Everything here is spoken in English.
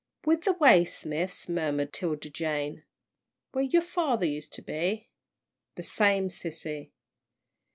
"With the Waysmiths?" murmured 'Tilda Jane, "where your father used to be?" "The same, sissy."